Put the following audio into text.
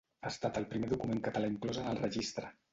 Ha estat el primer document català inclòs en el registre.